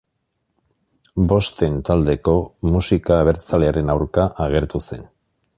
Bosten Taldeko musika abertzalearen aurka agertu zen.